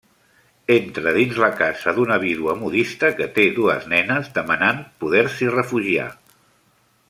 Entra dins la casa d'una vídua modista que té dues nenes demanant poder-s'hi refugiar.